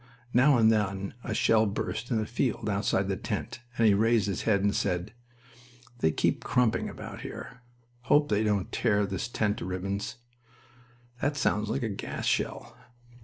Now and then a shell burst in the field outside the tent, and he raised his head and said: "They keep crumping about here. Hope they won't tear this tent to ribbons....That sounds like a gas shell."